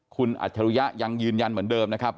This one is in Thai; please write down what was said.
คุณอัจฉริยะยังยืนยันเหมือนเดิมนะครับ